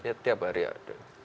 ya tiap hari ada